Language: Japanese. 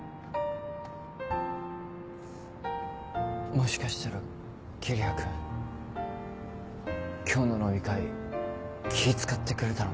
もしかしたら桐矢君今日の飲み会気使ってくれたのかな？